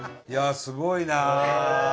すごいな！